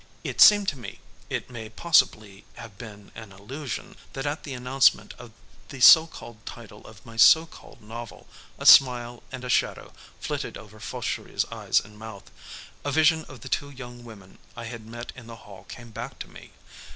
It seemed to me it may possibly have been an illusion that at the announcement of the so called title of my so called novel, a smile and a shadow flitted over Fauchery's eyes and mouth. A vision of the two young women I had met in the hall came back to me.